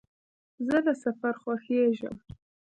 زه له سفر خوښېږم.